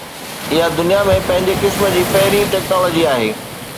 اها دنيا ۾ پنهنجي قسم جي پهرين ٽيڪنالاجي آهي.